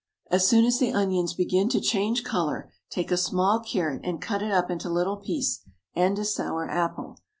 As soon as the onions begin to change colour, take a small carrot and cut it up into little piece; and a sour apple.